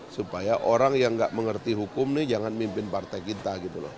supaya orang yang tidak mengerti hukum ini jangan memimpin partai kita